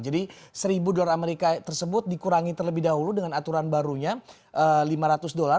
jadi seribu dolar amerika tersebut dikurangi terlebih dahulu dengan aturan barunya lima ratus dolar